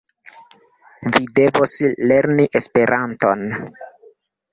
Vi devos lerni Esperanton.